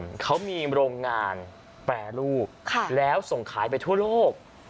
เขามีโรงงานแปรรูปแล้วส่งขายไปทั่วโลก